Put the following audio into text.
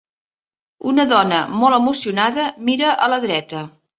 Una dona molt emocionada mira a la dreta.